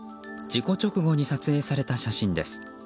事故直後に撮影された写真です。